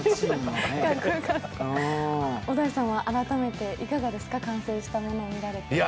小田井さんは改めいかがですか、完成したものを見られて。